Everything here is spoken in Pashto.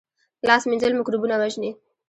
لاس مینځل مکروبونه وژني